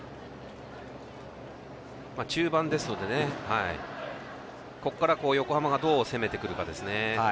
中盤ですのでここから横浜がどう攻めてくるかですね。